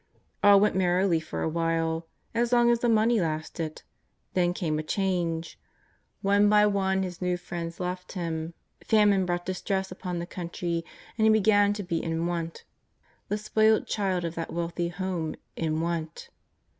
All went merrily for a while — as long as the money lasted. Then came a change. One by one his new friends left him, famine brought distress upon the country, and he began to be in want — the spoilt child of that wealthy home, in want